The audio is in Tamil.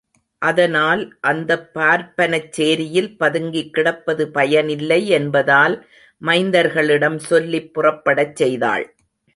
அதனால் அந்தப்பார்ப்பனச் சேரியில் பதுங்கிக் கிடப்பது பயன் இல்லை என்பதால் மைந்தர்களிடம் சொல்லிப் புறப்படச் செய்தாள்.